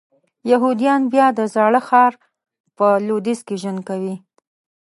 یهودیان بیا د زاړه ښار په لویدیځ کې ژوند کوي.